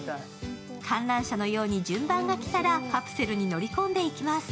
観覧車のように順番が来たらカプセルに乗り込んでいきます。